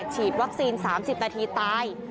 ฉีดวัคซีน๓๐นาทีตาย